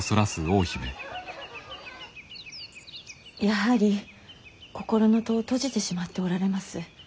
やはり心の戸を閉じてしまっておられます。